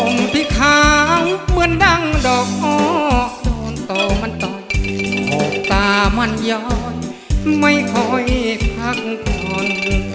ผมพิคาเหมือนดั่งดอกออกโดนต่อมันต่อยต่ามันย้อยไม่คอยพักผ่อน